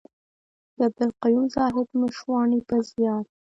د عبدالقيوم زاهد مشواڼي په زيار.